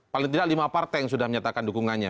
paling tidak lima partai yang sudah menyatakan dukungannya